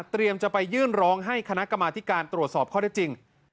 จะไปยื่นร้องให้คณะกรรมาธิการตรวจสอบข้อได้จริง